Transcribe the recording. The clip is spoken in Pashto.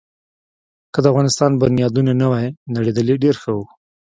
که د افغانستان بنیادونه نه وی نړېدلي، ډېر ښه وو.